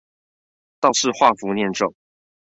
道士畫符唸咒